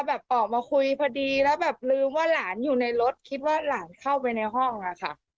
แบบออกมาคุยพอดีแล้วแบบลืมว่าหลานอยู่ในรถคิดว่าหลานเข้าไปในห้องอะค่ะ